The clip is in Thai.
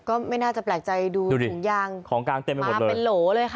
ก็ไม่น่าจะแปลกใจดูถุงยางมาเป็นโหลเลยครับ